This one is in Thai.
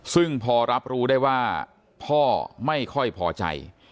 ซึ่งพอรับรู้ได้ว่าพ่อไม่ค่อยพอใจ